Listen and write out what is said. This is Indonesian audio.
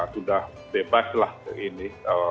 sudah bebaslah ini